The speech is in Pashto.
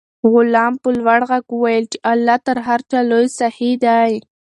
غلام په لوړ غږ وویل چې الله تر هر چا لوی سخي دی.